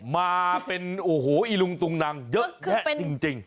มาเป็นโอ้โหอีลุงตุงนังเยอะแยะจริง